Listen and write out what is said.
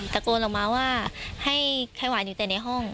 ตะโกนออกมาว่าให้ไข้หวานอยู่แต่ในห้อง